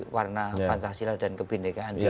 warna pancasila dan kebindekan